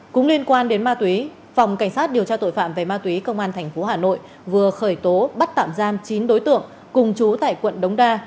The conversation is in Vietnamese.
cũng liên quan đến ma túy phòng cảnh sát điều tra tội phạm về ma túy công an tp hà nội vừa khởi tố bắt tạm giam chín đối tượng cùng chú tại quận đống đa